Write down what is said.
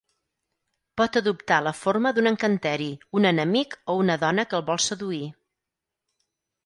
Pot adoptar la forma d'un encanteri, un enemic o una dona que el vol seduir.